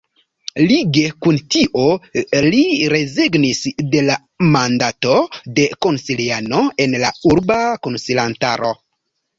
Lige kun tio li rezignis de la mandato de konsiliano en la Urba Konsilantaro.